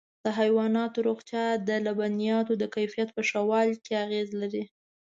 د حيواناتو روغتیا د لبنیاتو د کیفیت په ښه والي کې اغېز لري.